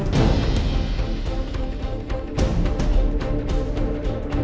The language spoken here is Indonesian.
pasti dia gak ngambil handphonenya